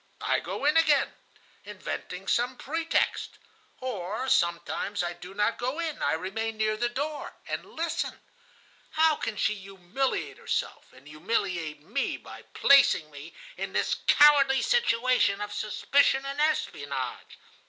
I go in again, inventing some pretext. Or sometimes I do not go in; I remain near the door, and listen. How can she humiliate herself and humiliate me by placing me in this cowardly situation of suspicion and espionage?